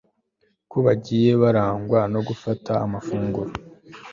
ko bagiye barangwa no gufata amafunguro